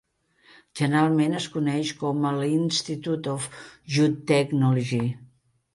Generalment es coneix com el Institute of Jute Technology.